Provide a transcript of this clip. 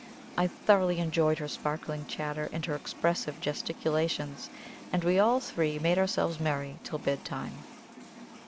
I thoroughly enjoyed her sparkling chatter and her expressive gesticulations, and we all three made ourselves merry till bedtime.